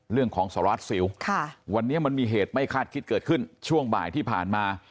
สารวัสสิววันนี้มันมีเหตุไม่คาดคิดเกิดขึ้นช่วงบ่ายที่ผ่านมา